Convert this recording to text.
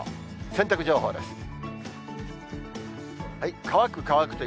洗濯情報です。